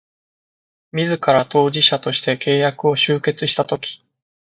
自ら当事者として契約を締結したとき